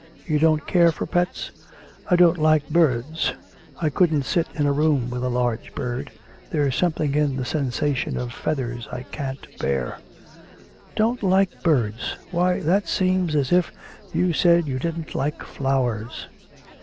You don't care for pets?' 'I don't like birds. I couldn't sit in a room with a large bird. There's something in the sensation of feathers I can't bear.' 'Don't like birds! Why, that seems as if you said that you didn't like flowers.'